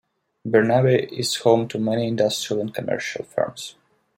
Burnaby is home to many industrial and commercial firms.